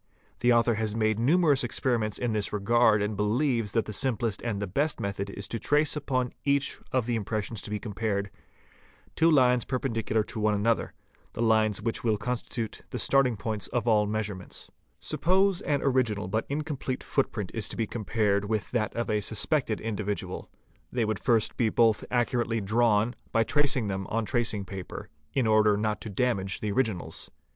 The author has made numerous experiments in this regard and believes that the simplest and the best method is to trace upon each of the impressions to be compared, _two lines prependicular to one another, lines which will constitute the starting point of all measurements. 18 BF RI A ATT AE IEE Ne 5 DRE CA wl) 536 FOOTPRINTS Suppose an original but incomplete footprint is to be compared with a os that of a suspected individual. They le Ae would first be both accurately drawn h h ;¢ 0 i by tracing them on tracing paper, in ga" EX d order not to damage the originals.